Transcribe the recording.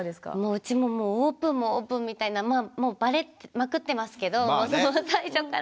うちももうオープンもオープンみたいなもうバレまくってますけど最初から。